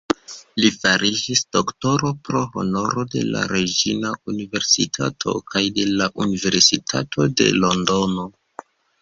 Li fariĝis doktoro pro honoro de la Reĝina Universitato kaj de Universitato de Londono.